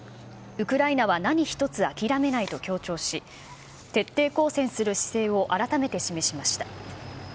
ウクライナは何一つ諦めないと強調し、徹底抗戦する姿勢を改めて示しました。